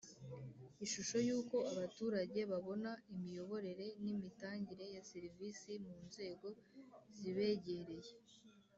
Ishusho y uko abaturage babona imiyoborere n imitangire ya serivisi mu nzego zibegereye